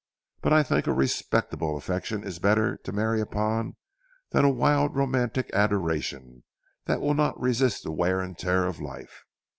But I think a respectable affection is better to marry upon than a wild romantic adoration that will not resist the wear and tear of life.